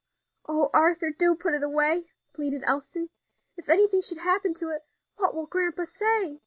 "O Arthur! do put it away," pleaded Elsie, "if anything should happen to it, what will grandpa say?